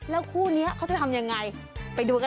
แล้วคู่นี้เขาจะทำยังไงไปดูกัน